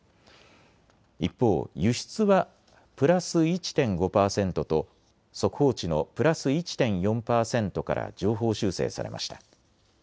一方、輸出はプラス１．５％と速報値のプラス１．４％から上方修正されました。